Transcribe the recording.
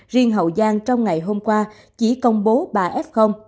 riêng hậu giang trong ngày hôm qua chỉ công bố ba f